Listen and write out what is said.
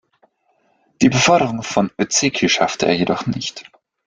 Die Beförderung zum Ōzeki schaffte er jedoch nicht.